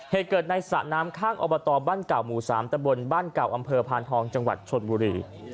เหตุเกิดในสระน้ำข้างอบตบ้านเก่าหมู่๓ตะบนบ้านเก่าอำเภอพานทองจังหวัดชนบุรี